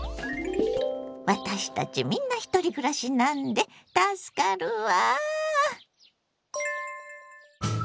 私たちみんなひとり暮らしなんで助かるわ。